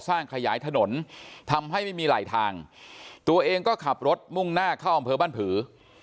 ขยายถนนทำให้ไม่มีไหลทางตัวเองก็ขับรถมุ่งหน้าเข้าอำเภอบ้านผือ